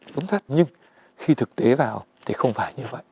đúng thật nhưng khi thực tế vào thì không phải như vậy